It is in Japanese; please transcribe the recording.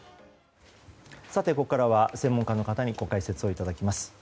ここからは専門家の方に解説をいただきます。